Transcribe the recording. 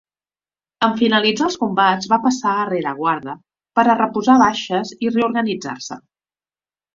En finalitzar els combats va passar a rereguarda, per a reposar baixes i reorganitzar-se.